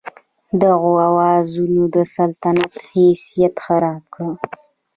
دغو اوازو د سلطنت حیثیت خراب کړ.